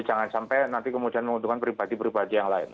jadi jangan sampai nanti kemudian menguntungkan pribadi pribadi yang lain